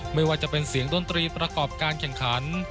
ไม่ว่าจะเป็นเสียงดนตรีประกอบการแข่งขัน